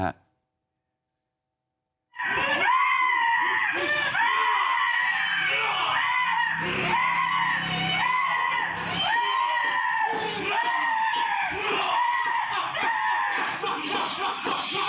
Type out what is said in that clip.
ยาบ